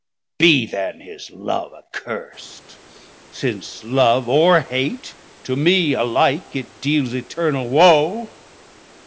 Be then his Love accurst, since love or hate, To me alike, it deals eternal woe.